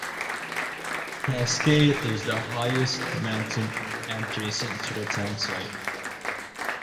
Cascade is the highest mountain adjacent to the townsite.